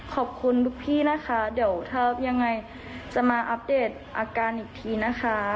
ขอบคุณทุกพี่นะคะเดี๋ยวถ้ายังไงจะมาอัปเดตอาการอีกทีนะคะ